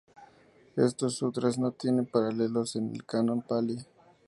Estos sutras no tienen paralelos en el canon pali.